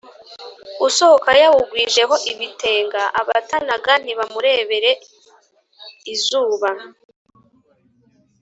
Usohoka yawugwijeho ibitenga abatanaga ntibamurebera izuba